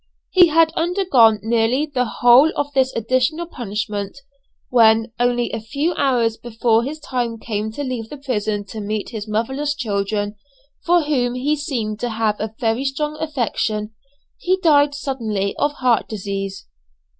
He had undergone nearly the whole of this additional punishment, when, only a few hours before his time came to leave the prison to meet his motherless children, for whom he seemed to have a very strong affection, he died suddenly of heart disease.